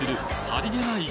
さりげない